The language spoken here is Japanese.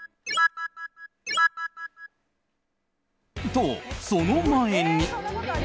と、その前に。